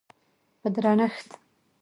په درنښت،